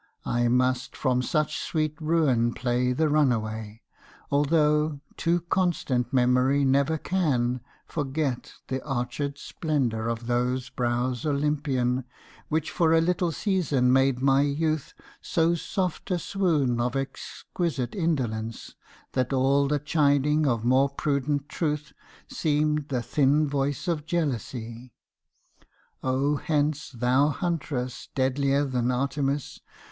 I must From such sweet ruin play the runaway, Although too constant memory never can Forget the archèd splendour of those brows Olympian Which for a little season made my youth So soft a swoon of exquisite indolence That all the chiding of more prudent Truth Seemed the thin voice of jealousy,—O hence Thou huntress deadlier than Artemis!